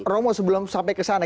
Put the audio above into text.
romo sebelum sampai kesana